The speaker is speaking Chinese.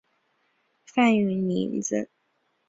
范允临子。